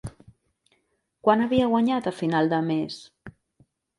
Quant havia guanyat a final de mes?